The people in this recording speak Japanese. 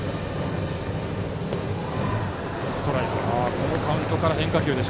このカウントから変化球。